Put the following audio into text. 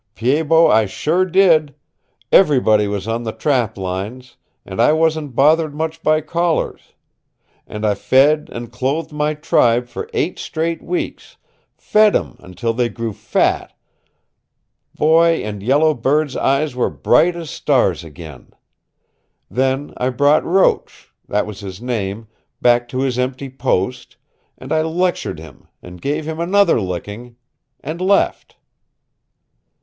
Pied Bot, I sure did! Everybody was on the trap lines, and I wasn't bothered much by callers. And I fed and clothed my tribe for eight straight weeks, fed 'em until they grew fat, Boy and Yellow Bird's eyes were bright as stars again. Then I brought Roach that was his name back to his empty post, and I lectured him, an' gave him another licking and left."